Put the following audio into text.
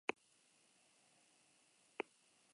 Haurrean, zer aukera zenuen euskaraz irakurtzeko?